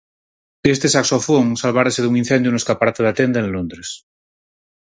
Este saxofón salvárase dun incendio no escaparate da tenda en Londres.